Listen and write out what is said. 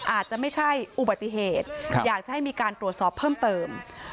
อาจจะไม่ใช่อุบัติเหตุอยากจะให้มีการตรวจสอบเพิ่มเติม